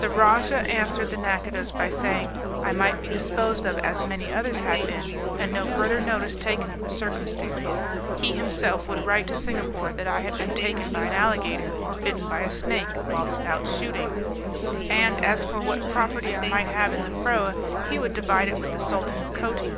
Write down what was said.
The rajah answered the nacodahs by saying, I might be disposed of as many others had been, and no further notice taken of the circumstance; he himself would write to Singapore that I had been taken by an alligator, or bitten by a snake whilst out shooting; and as for what property I might have in the proa he would divide it with the Sultan of Coti.